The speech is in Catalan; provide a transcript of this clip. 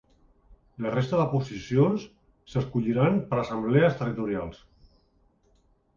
La resta de posicions s’escolliran per assemblees territorials.